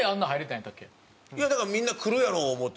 いやだからみんな来るやろ思って。